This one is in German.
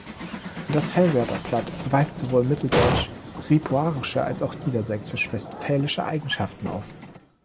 Das Velberter Platt weist sowohl mitteldeutsch-ripuarische als auch niedersächsisch-westfälische Eigenschaften auf.